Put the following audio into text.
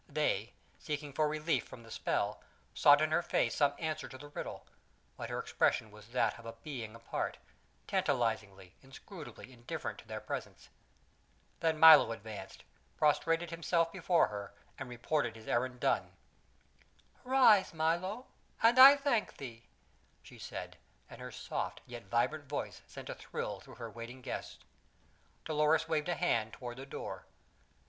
They, seeking for relief from the spell, sought in her face some answer to the riddle; but her expression was that of a being apart: tantalizingly, inscrutably indifferent to their presence. Then Milo advanced, prostrated himself before her, and reported his errand done. "Rise, Milo, and I thank thee," she said, and her soft, yet vibrant, voice sent a thrill through her waiting guests. Dolores waved a hand toward the door.